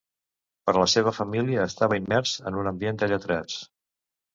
Per la seva família estava immers en un ambient de lletrats.